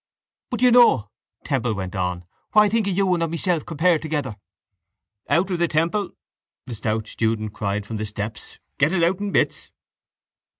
—But do you know, Temple went on, what I think of you and of myself compared together? —Out with it, Temple! the stout student cried from the steps. Get it out in bits!